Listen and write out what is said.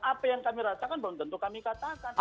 apa yang kami rasakan belum tentu kami katakan